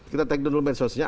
kita take dulu medsosnya